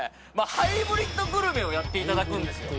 ハイブリッドグルメをやっていただくんですよ